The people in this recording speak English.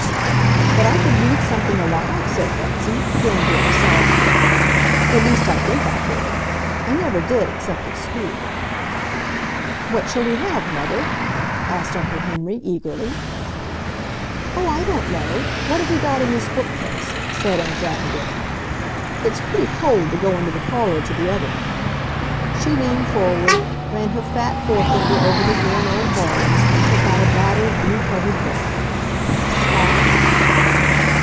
"But I could read something aloud," said Betsy, feeling very sorry for him. "At least I think I could. I never did, except at school." "What shall we have, Mother?" asked Uncle Henry eagerly. "Oh, I don't know. What have we got in this bookcase?" said Aunt Abigail. "It's pretty cold to go into the parlor to the other one." She leaned forward, ran her fat fore finger over the worn old volumes, and took out a battered, blue covered book. "Scott?"